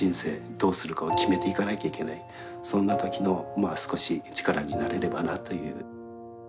どうするかを決めていかなきゃいけないそんな時のまあ少し力になれればなという。